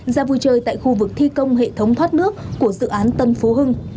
ra vui chơi tại khu vực thi công hệ thống thoát nước của dự án tân phú hưng